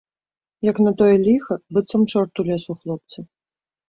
Як на тое ліха, быццам чорт улез у хлопца.